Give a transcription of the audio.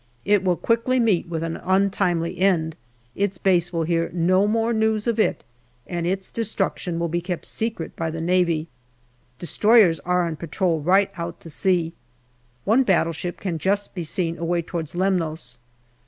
It will quickly meet with an untimely end ; its base will hear no more news of it, and its destruction will be kept secret by the Navy. Destroyers are on patrol right out to sea. One battleship can just be seen far away towards Lemnos.